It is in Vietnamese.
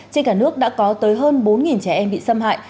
trên cả nước đã có tới hơn bốn trẻ em bị xâm hại